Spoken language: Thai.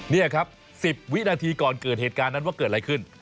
นี่ครับ๑๐วินาทีก่อนเกิดเหตุการณ์นั้นว่าเกิดอะไรขึ้น